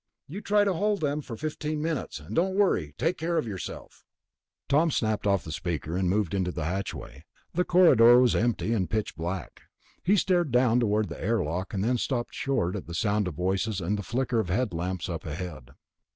"You try to hold them for fifteen minutes ... and don't worry. Take care of yourself." Tom snapped off the speaker and moved to the hatchway. The corridor was empty, and pitch black. He started down toward the airlock, then stopped short at the sound of voices and the flicker of headlamps up ahead.